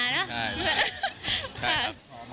ใช่